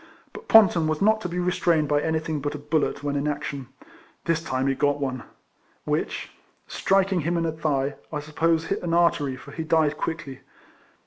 But Ponton was not to be restrained by anything but a bullet when in action. This time he got one; which, striking him in the thigh, I suppose hit an artery, for he died quickly.